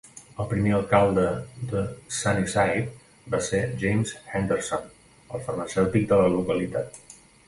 El primer alcalde de Sunnyside va ser James Henderson, el farmacèutic de la localitat.